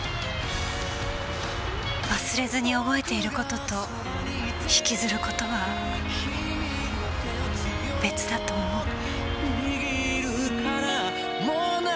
忘れずに覚えている事と引きずる事は別だと思う。